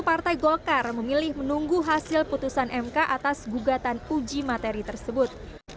partai golkar memilih menunggu hasil putusan mk atas gugatan uji materi tersebut